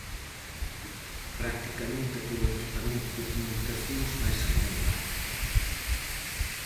Practicamente todo o equipamento de comunicacións vaise renovar.